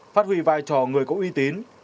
phát huy vai trò người có uy tín